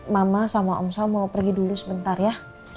mama sama omsa mau pergi dulu sebentar ya